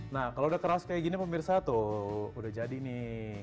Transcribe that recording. nah kalau udah keras kayak gini pemirsa tuh udah jadi nih